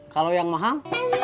kalau yang mahal